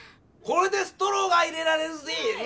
これでストローが入れられるぜぇ！